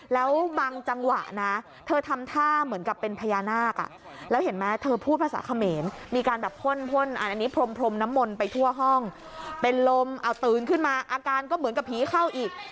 แล้วบางจังหวะนะเธอทำท่าเหมือนกับเป็นพญานาคแล้วเห็นไหมเธอพูดภาษาเขมรมีการแบบพ่นพ่นอันนี้พรมน้ำมนต์ไปทั่วห้องเป็นลมเอาตื่นขึ้นมาอาการก็เหมือนกับผีเข้าอีก